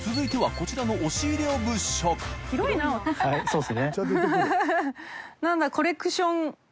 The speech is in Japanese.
はいそうです。